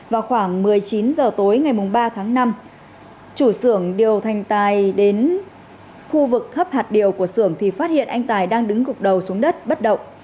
vào khoảng một mươi chín h tối ngày ba tháng năm chủ sưởng điều thành tài đến khu vực thấp hạt điều của sưởng thì phát hiện anh tài đang đứng gục đầu xuống đất bất động